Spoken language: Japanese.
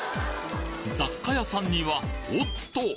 雑貨屋さんにはおっと！